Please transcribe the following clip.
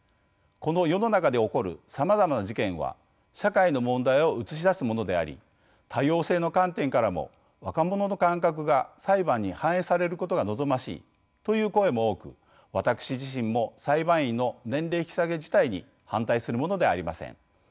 この世の中で起こるさまざまな事件は社会の問題を映し出すものであり多様性の観点からも若者の感覚が裁判に反映されることが望ましいという声も多く私自身も裁判員の年齢引き下げ自体に反対するものではありません。